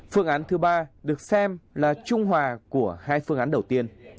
phương án thứ ba được xem là trung hòa của hai phương án đầu tiên